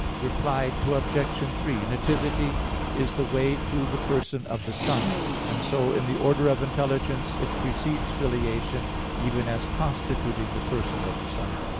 Reply Obj. 3: Nativity is the way to the person of the Son; and so, in the order of intelligence, it precedes filiation, even as constituting the person of the Son.